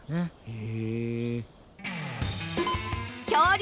へえ。